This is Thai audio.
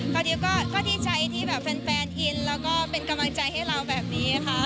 ดิวก็ดีใจที่แบบแฟนอินแล้วก็เป็นกำลังใจให้เราแบบนี้ค่ะ